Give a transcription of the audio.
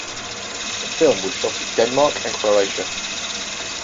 The film was shot in Denmark and Croatia.